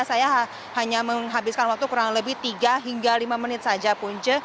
saya hanya menghabiskan waktu kurang lebih tiga hingga lima menit saja punca